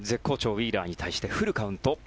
ウィーラーに対してフルカウント。